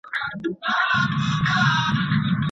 که ښاروالي د ککړتیا کچه وڅاري، نو هوا نه زهرجنه کیږي.